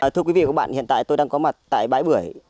thưa quý vị và các bạn hiện tại tôi đang có mặt tại bãi bưởi